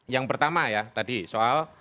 yang pertama ya tadi soal